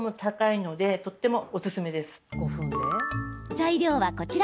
材料は、こちら。